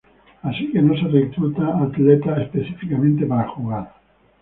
Así que no se recluta atletas específicamente para jugar.